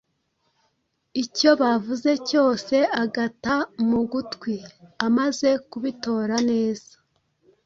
icyo bavuze cyose agata mu gutwi. Amaze kubitora neza,